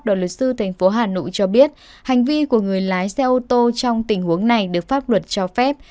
đoàn luật sư thành phố hà nội cho biết hành vi của người lái xe ô tô trong tình huống này được pháp luật cho phép